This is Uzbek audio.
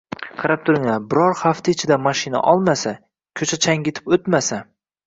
Qarab turinglar, biror hafta ichida mashina olmasa, ko`cha chang`itib o`tmasa